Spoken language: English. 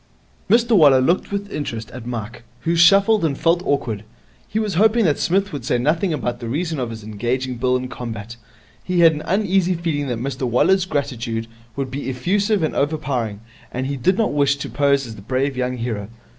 Mr Waller looked with interest at Mike, who shuffled and felt awkward. He was hoping that Psmith would say nothing about the reason of his engaging Bill in combat. He had an uneasy feeling that Mr Waller's gratitude would be effusive and overpowering, and he did not wish to pose as the brave young hero.